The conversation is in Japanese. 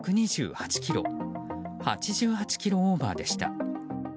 ８８キロオーバーでした。